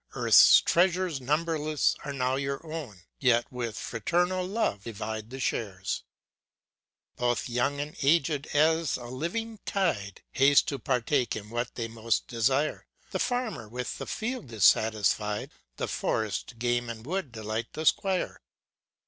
Earth's treasures numberless are now your own, Yet, with fraternal love, divide the shares !ft ŌĆö Both young and aged, as a living tide, Haste to partake of what they most desire: The Farmer, with the fields, is satisfied, The forest, game, and wood delight the Squire.